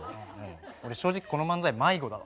俺正直この漫才迷子だわ。